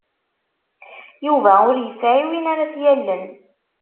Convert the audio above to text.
Yuba ur yesɛi win ara t-yallen.